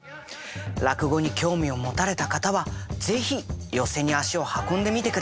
落語に興味を持たれた方は是非寄席に足を運んでみてください。